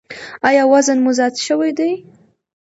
ایا وزن مو زیات شوی دی؟